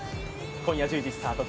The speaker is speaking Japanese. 今夜１０時スタート